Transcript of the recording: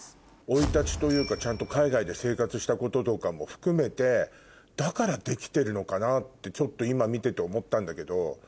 生い立ちというかちゃんと海外で生活したこととかも含めてだからできてるのかなってちょっと今見てて思ったんだけど。